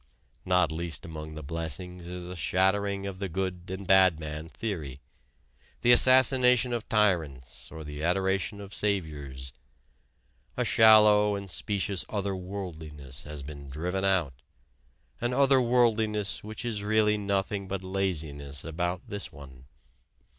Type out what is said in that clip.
Not least among the blessings is a shattering of the good and bad man theory: the assassination of tyrants or the adoration of saviors. A shallow and specious other worldliness has been driven out: an other worldliness which is really nothing but laziness about this one.